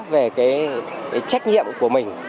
về trách nhiệm của mình